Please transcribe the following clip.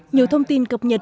nhiều thông tin cập nhật